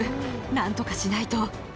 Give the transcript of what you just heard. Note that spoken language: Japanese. なんとかしないと。